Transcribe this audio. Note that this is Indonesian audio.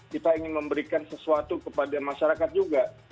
kita ingin memberikan sesuatu kepada masyarakat juga